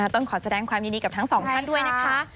ต้องขอแสดงความยินดีกับทั้งสองท่านด้วยนะคะ